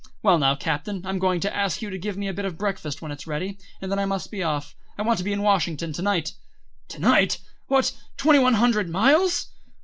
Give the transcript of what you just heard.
Well now, Captain, I'm going to ask you to give me a bit of breakfast when it's ready, and then I must be off. I want to be in Washington to night." "To night! What, twenty one hundred miles!"